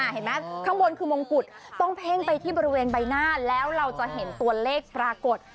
เห็นไหมข้างบนคือมงกุฎต้องเพ่งไปที่บริเวณใบหน้าแล้วเราจะเห็นตัวเลขปรากฏ